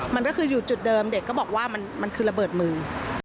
มันก็คืออยู่จุดเดิมเด็กก็บอกว่ามันคือระเบิดมือ